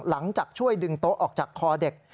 หลังจากช่วยดึงโต๊ะออกจากคอเด็ก